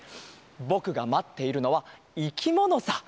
ぼくがまっているのはいきものさ。